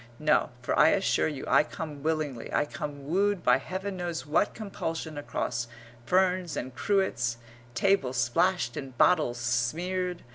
No, for I assure you I come willingly; I come wooed by Heaven knows what compulsion across ferns and cruets, table splashed and bottles smeared.